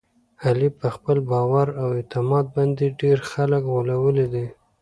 علي په خپل باور او اعتماد باندې ډېر خلک غولولي دي.